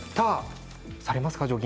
されますか？